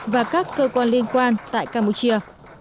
và các cơ quan liên quan tại campuchia